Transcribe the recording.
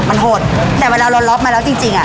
มันโหดแต่เวลาร้อนรอบมาแล้วจริงอะ